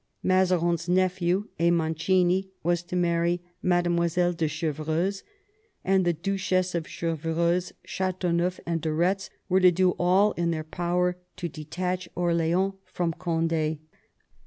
Mazarin's nephew, a Mancini, was to marry Madlle. de Chevreuse; and the Duchess of Chevreuse, Ch^teauneuf, and de Retz were to do all in their power to detach Orleans from Cond^.